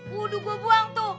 wudu gue buang tuh